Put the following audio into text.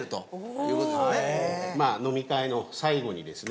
まあ飲み会の最後にですね